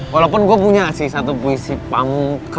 walaupun gua punya sih satu puisi pamukka